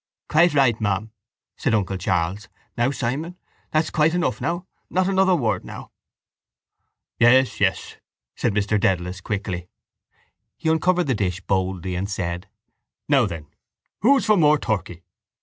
—Quite right, ma'am, said uncle Charles. Now Simon, that's quite enough now. Not another word now. —Yes, yes, said Mr Dedalus quickly. He uncovered the dish boldly and said: —Now then, who's for more turkey?